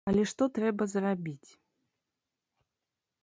Але што трэба зрабіць?